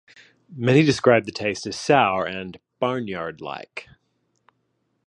Many describe the taste as sour and "barnyard-like".